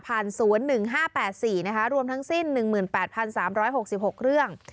๐๑๕๘๔นะคะรวมทั้งสิ้น๑๘๓๖๖เรื่อง